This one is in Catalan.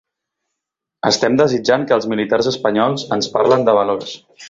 Estem desitjant que els militars espanyols ens parlen de valors